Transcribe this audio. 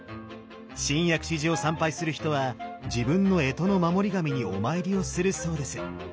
新薬師寺を参拝する人は自分の干支の守り神にお参りをするそうです。